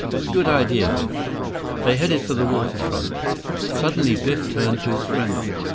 "Good idea, Biff." They headed for the waterfront. Suddenly Biff turned to his friend.